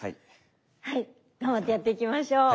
はい頑張ってやっていきましょう。